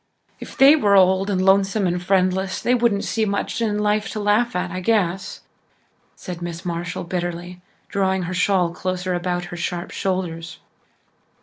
"If they were old and lonesome and friendless they wouldn't see much in life to laugh at, I guess," said Miss Marshall bitterly, drawing her shawl closer about her sharp shoulders.